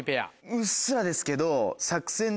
うっすらですけど。